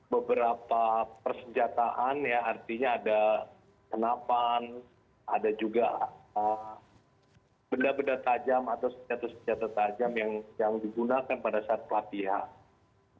beberapa persenjataan ya artinya ada senapan ada juga benda benda tajam atau senjata senjata tajam yang digunakan pada saat pelatihan